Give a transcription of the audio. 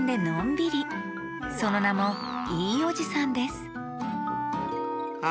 そのなも「いいおじさん」ですあ